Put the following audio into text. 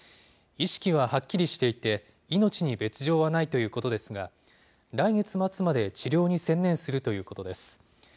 意識ははっきりしていて、命に別状はないということですが、来月末まで治療に専念するということです。